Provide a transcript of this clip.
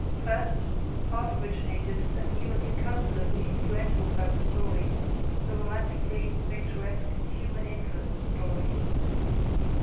First, Harte originated a new and incalculably influential type of story: the romantically picturesque "human interest" story.